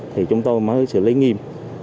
thì chúng tôi mới xử lý nghiêm